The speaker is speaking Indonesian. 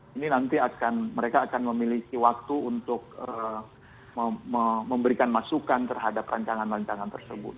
jadi saat itu mereka akan memiliki waktu untuk memberikan masukan terhadap rencana rencana tersebut